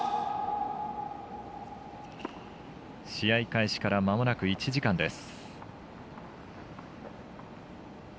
試合開始からまもなく１時間です。